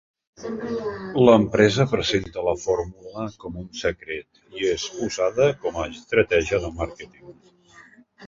L'empresa presenta la fórmula com un secret i és usada com a estratègia de màrqueting.